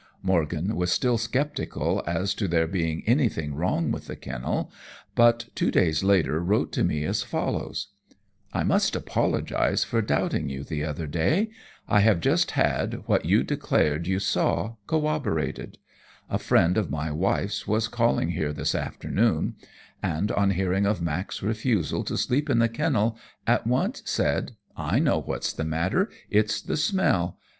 Morgan was still sceptical as to there being anything wrong with the kennel, but two days later wrote to me as follows: "I must apologize for doubting you the other day. I have just had, what you declared you saw, corroborated. A friend of my wife's was calling here this afternoon, and, on hearing of Mack's refusal to sleep in the kennel, at once said, 'I know what's the matter. It's the smell.